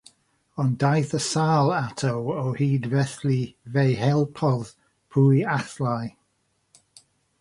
Ond daeth y sâl ato o hyd felly fe helpodd pwy allai.